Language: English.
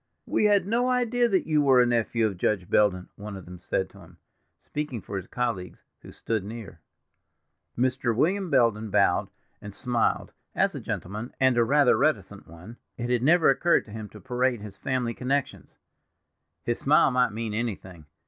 "We had no idea that you were a nephew of Judge Belden," one of them said to him, speaking for his colleagues, who stood near. Mr. William Belden bowed, and smiled; as a gentleman, and a rather reticent one, it had never occurred to him to parade his family connections. His smile might mean anything.